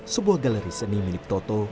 sebuah galeri seni milik toto